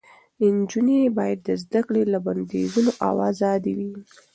نجونې باید د زده کړې له بندیزونو آزادې وي.